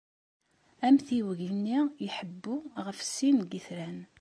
Amtiweg-nni iḥebbu ɣef sin n yitran.